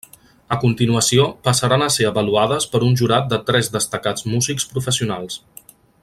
A continuació passaran a ser avaluades per un jurat de tres destacats músics professionals.